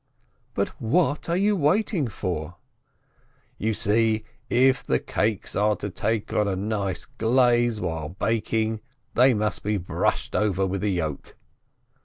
"But what are you waiting for ?" "You see, if the cakes are to take on a nice glaze while baking, they must be brushed over with a yolk."